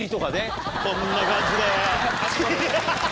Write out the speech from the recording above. こんな感じで。